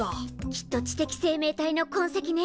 きっと知的生命体のこんせきね。